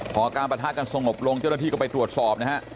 พอการประทะกันสงบลงเจ้าหน้าที่ก็ไปตรวจสอบนะฮะ